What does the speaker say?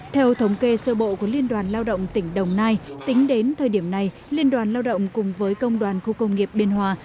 theo thống kê sơ bộ của liên đoàn lao động tỉnh đồng nai tính đến thời điểm này liên đoàn lao động cùng với công đoàn khu công nghiệp biên hòa